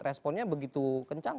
responnya begitu kencang